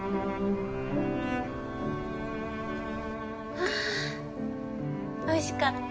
あおいしかった。